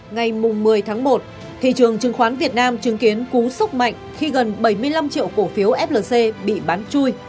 ngày một mươi tháng một thị trường chứng khoán việt nam chứng kiến cú sốc mạnh khi gần bảy mươi năm triệu cổ phiếu flc bị bán chui